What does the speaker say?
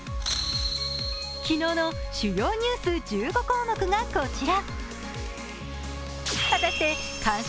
昨日の主要ニュース１５項目がこちら。